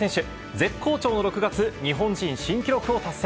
絶好調の６月日本人新記録を達成。